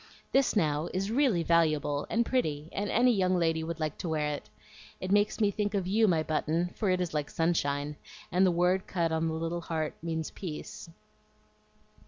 This, now, is really valuable and pretty, and any young lady would like to wear it. It makes me think of you, my Button, for it is like sunshine, and the word cut on the little heart means peace."